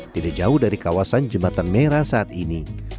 tidak jauh dari kawasan jembatan merah saat ini